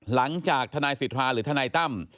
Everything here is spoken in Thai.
หลังจากธนายศิษฐาหรือธนายตั้ม